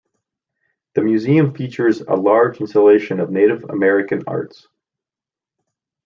The museum features a large installation of Native American arts.